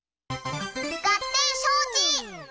ガッテンしょうち！